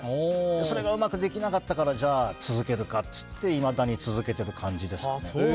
それがうまくできなかったからじゃあ続けるかっていっていまだに続けている感じですね。